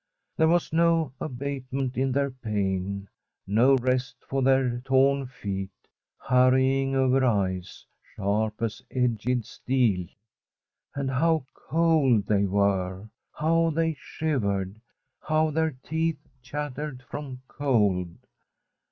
There was no abatement in their pain, no rest for their torn feet, hurrying over ice sharp as edged steel. And how cold they were I how they shiv ered! how their teeth chattered from cold!